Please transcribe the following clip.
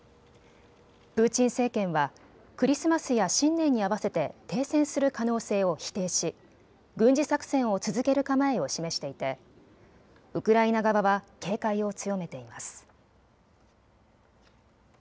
プーチン政権はクリスマスや新年に合わせて停戦する可能性を否定し軍事作戦を続ける構えを示していてウクライナ側は警戒を強めています。